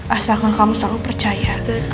asalkan kamu selalu percaya